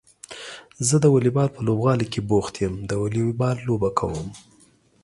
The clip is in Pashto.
زه د واليبال په لوبغالي کې بوخت يم د واليبال لوبه کوم.